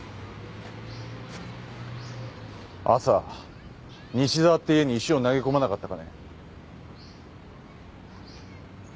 朝西沢っていう家に石を投げ込まなかったかね？